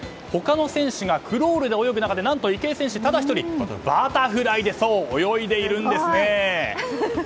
他の選手がクロールで泳ぐ中で何と池江選手ただ１人バタフライで泳いでいるんです。